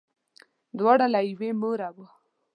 دواړه له یوې موره وه.